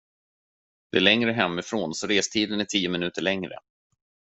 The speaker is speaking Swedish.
Det är längre hemifrån, så restiden är tio minuter längre.